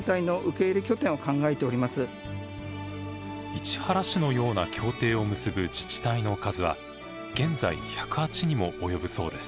市原市のような協定を結ぶ自治体の数は現在１０８にも及ぶそうです。